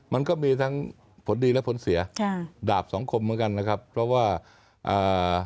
มันก็มีทั้งผลดีและผลเสียค่ะดาบสองคมเหมือนกันนะครับเพราะว่าอ่า